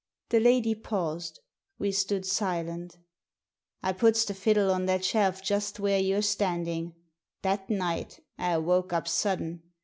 The lady paused ; we stood silent " I puts the fiddle on that shelf just where you're standing. That night I woke up sudden.